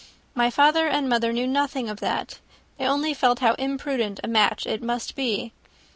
My father and mother knew nothing of that; they only felt how imprudent a match it must be.